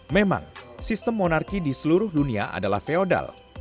memang sistem monarki di seluruh dunia adalah feodal